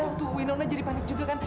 waktu winona jadi panik juga kan